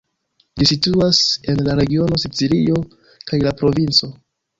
Ĝi situas en la regiono Sicilio kaj la provinco.